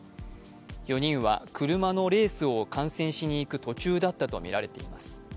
４人は車のレースを観戦しに行く途中だったとみられています。